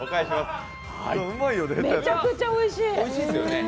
めちゃくちゃおいしい！